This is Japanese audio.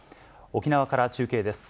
沖縄から中継です。